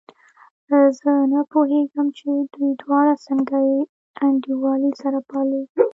زه نه پوهېږم چې دوی دواړه څنګه انډيوالي سره پالي.